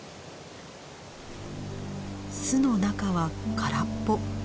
巣の中は空っぽ。